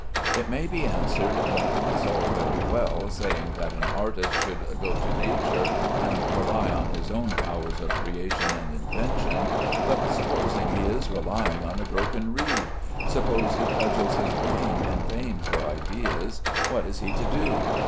It may be answered that it is all very well saying that an artist should go to nature and rely on his own powers of creation and invention, but supposing he is relying on a broken reed; suppose he cudgels his brain in vain for ideas, what is he to do?